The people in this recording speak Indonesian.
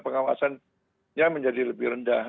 pengawasannya menjadi lebih rendah